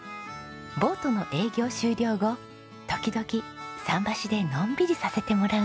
ボートの営業終了後時々桟橋でのんびりさせてもらうんです。